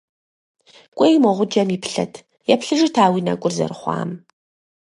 КӀуэи мо гъуджэм иплъэт, еплъыжыт а уи нэкӀур зэрыхъуам.